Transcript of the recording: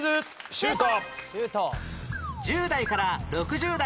シュート！